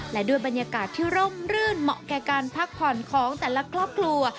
และด้วยบรรยากาศที่ร่มรื่นเหมาะแก่การพักผ่อนของแต่ละครอบครัว